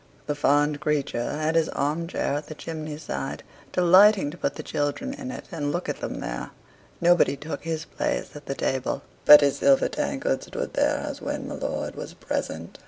The fond creature had his arm chair at the chimney side delighting to put the children in it, and look at them there. Nobody took his place at the table; but his silver tankard stood there as when my lord was present.